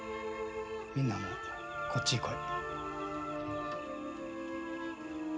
みんなもこっちへ来い。